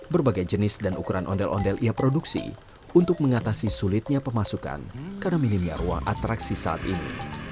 berbagai jenis dan ukuran ondel ondel ia produksi untuk mengatasi sulitnya pemasukan karena minimnya ruang atraksi saat ini